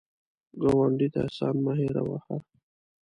ګاونډي ته احسان مه هېر وهه